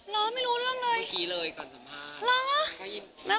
ไม่รู้เรื่องเลยเห้ยเลยก่อนสัมภาพ